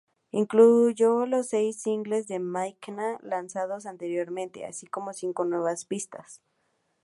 Incluyó los seis singles de McKenna lanzados anteriormente, así como cinco nuevas pistas.